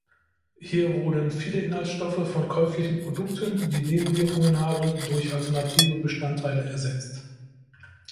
Hier wurden viele Inhaltsstoffe von käuflichen Produkten, die Nebenwirkungen haben, durch alternative Bestandteile ersetzt.